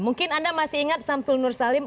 mungkin anda masih ingat syamsul nursalim